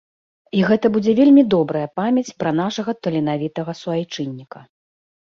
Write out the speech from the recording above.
І гэта будзе вельмі добрая памяць пра нашага таленавітага суайчынніка.